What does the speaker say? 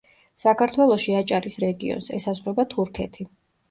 საქართველოში აჭარის რეგიონს, ესაზღვრება თურქეთი.